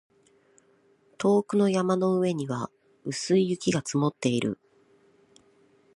遠くの山の上には薄い雪が積もっている